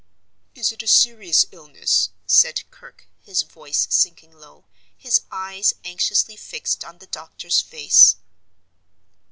"Is it a serious illness?" said Kirke his voice sinking low, his eyes anxiously fixed on the doctor's face.